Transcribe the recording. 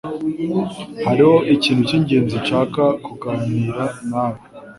Hariho ikintu cyingenzi nshaka kuganira nawe.